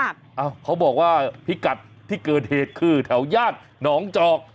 เขาบอกว่าพิกัดที่เกิดเหตุคือแถวญาติหนองจอก